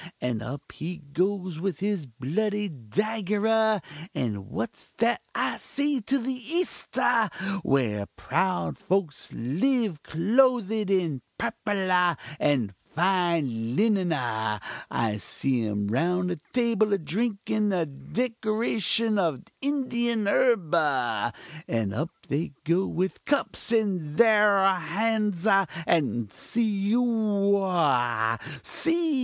and up he goes with his bloody dagger ah! And what's that I see to the East ah! where proud folks live clothed in purple ah! and fine linen ah! I see 'em round a table a drinkin a decoction of Indian herb ah! and up they go with cups in thar hands ah! and see ohoah! see!